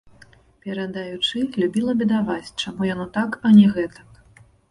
Перадаючы, любіла бедаваць, чаму яно так, а не гэтак.